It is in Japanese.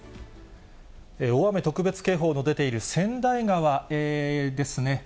大雨特別警報の出ている先代川ですね。